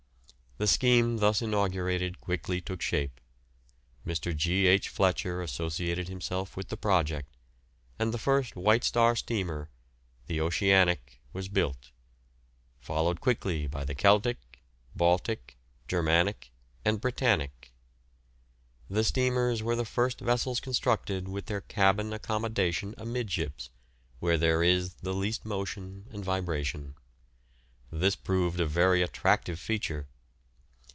The scheme thus inaugurated quickly took shape. Mr. G. H. Fletcher associated himself with the project, and the first White Star steamer, the "Oceanic," was built, followed quickly by the "Celtic," "Baltic," "Germanic," and "Britannic." The steamers were the first vessels constructed with their cabin accommodation amidships, where there is the least motion and vibration. This proved a very attractive feature.